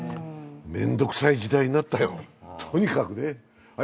面倒くさい時代になったよ、とにかくね。